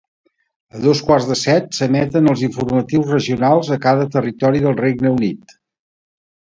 A dos quarts de set s'emeten els informatius regionals a cada territori del Regne Unit.